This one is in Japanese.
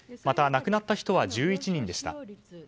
また、亡くなった人は１１人でした。